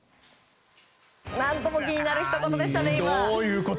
何とも気になるひと言でしたね。